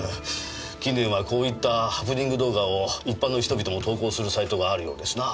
近年はこういったハプニング動画を一般の人々も投稿するサイトがあるようですなぁ。